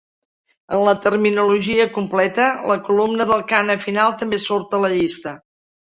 En la terminologia completa, la columna del kana final també surt a la llista.